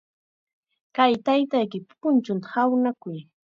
Kay taytaykipa punchunta hawnakuy.